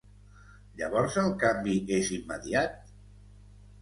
Llavors el canvi és immediat?